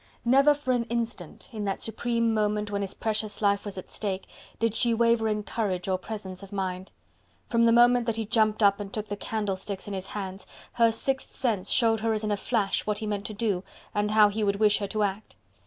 Never for an instant, in that supreme moment when his precious life was at stake, did she waver in courage or presence of mind. From the moment that he jumped up and took the candlesticks in his hands, her sixth sense showed her as in a flash what he meant to do and how he would wish her to act.